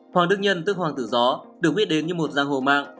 hoàng đức nhân tức hoàng tử gió được biết đến như một giang hồ mạng